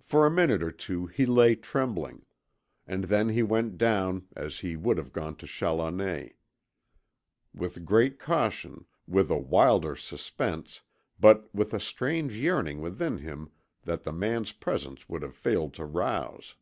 For a minute or two he lay trembling, and then he went down, as he would have gone to Challoner; with great caution, with a wilder suspense, but with a strange yearning within him that the man's presence would have failed to rouse.